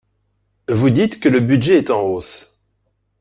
Vous dites que le budget est en hausse.